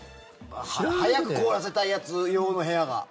早く凍らせたいやつ用の部屋が。